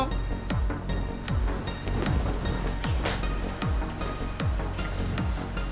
tidak ada apa apa